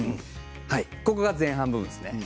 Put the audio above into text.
ここが前半部分です。